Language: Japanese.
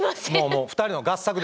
もう２人の合作です